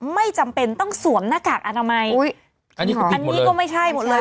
ไม่จำเป็นต้องสวมหน้ากากอนามัยอันนี้หอมอันนี้ก็ไม่ใช่หมดเลย